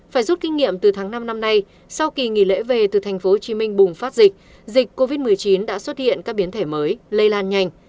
phải rút kinh nghiệm từ tháng năm năm nay sau kỳ nghỉ lễ về từ tp hcm bùng phát dịch dịch covid một mươi chín đã xuất hiện các biến thể mới lây lan nhanh